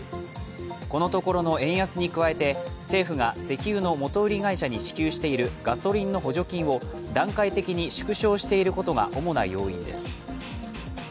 このところの円安に加えて政府が石油の元売り会社に支給しているガソリンの補助金を段階的に縮小していることが主な要因です。